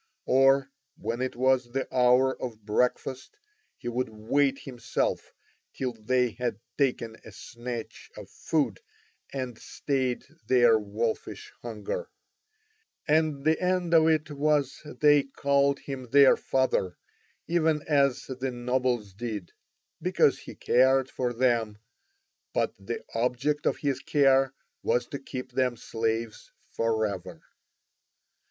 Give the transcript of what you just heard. Or when it was the hour of breakfast he would wait himself till they had taken a snatch of food and stayed their wolfish hunger; and the end of it was they called him their father even as the nobles did, because he cared for them, but the object of his care was to keep them slaves for ever.